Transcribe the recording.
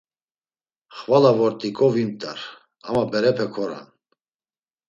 Xvala vort̆iǩo vimt̆ar, ama berepe koran.